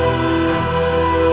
selalu di kansai